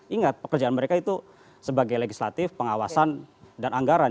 ingat pekerjaan mereka itu sebagai legislatif pengawasan dan anggaran